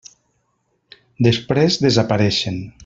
Després desapareixen.